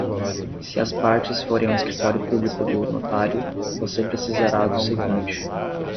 Se as partes forem ao escritório público do notário, você precisará do seguinte: